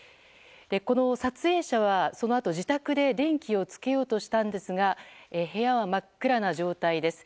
この撮影者は、そのあと自宅で電気をつけようとしたんですが部屋は真っ暗な状態です。